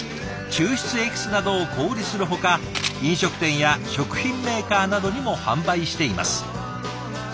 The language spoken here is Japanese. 抽出エキスなどを小売りするほか飲食店や食品メーカーなどにも販売しています。